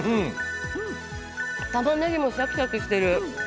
たまねぎもシャキシャキしてる。